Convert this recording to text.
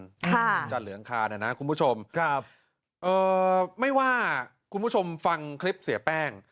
ค่ะจันทร์เหลืองคานะครับคุณผู้ชมไม่ว่าคุณผู้ชมฟังคลิปเสียแป้ง